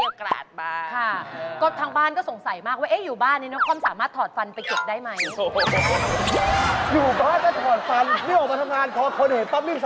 เออเดี๋ยวถามก่อนคุณไอซ์